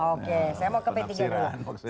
oke saya mau ke p tiga dulu